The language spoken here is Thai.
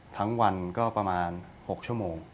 ทั้งวันก็ประมาณ๖ชั่วโมง